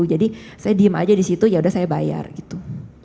jadi saya diem aja di situ ya udah saya bayar gitu